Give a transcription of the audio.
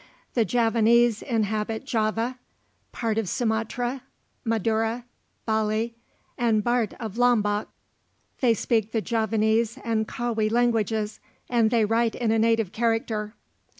The Javanese inhabit Java, part of Sumatra, Madura, Bali, and Bart of Lombock. They speak the Javanese and Kawi languages, which they write in a native character.